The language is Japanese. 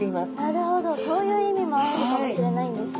なるほどそういう意味もあるかもしれないんですね。